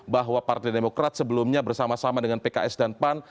bahwa partai demokrat sebelumnya bersama sama dengan pks dan pan